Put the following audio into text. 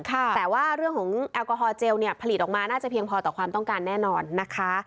แต่ว่าเรื่องของแอลกอฮอลเจลเนี่ยผลิตออกมาน่าจะเพียงพอต่อความต้องการแน่นอนนะคะ